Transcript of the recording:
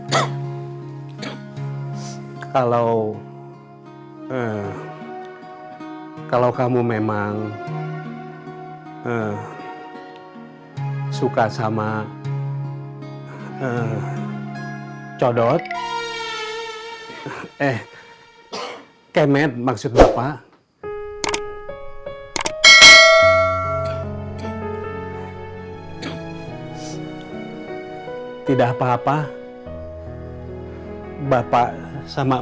hai kalau kalau kamu memang suka sama codot eh kemet maksudnya pak tidak apa apa bapak sama